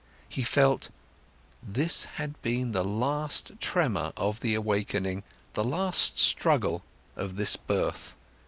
He felt: This had been the last tremor of the awakening, the last struggle of this birth.